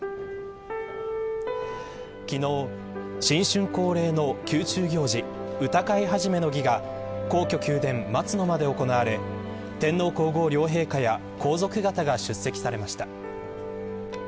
昨日、新春恒例の宮中行事歌会始の儀が皇居宮殿、松の間で行われ天皇皇后両陛下や皇族方が出席されました。